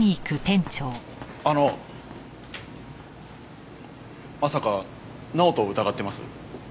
あのまさか直人を疑ってます？